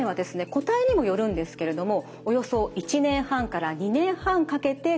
個体にもよるんですけれどもおよそ１年半から２年半かけて訓練をします。